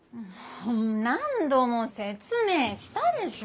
もう何度も説明したでしょ。